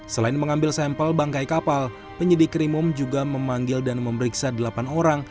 selain mengambil sampel bangkai kapal penyidik krimum juga memanggil dan memeriksa delapan orang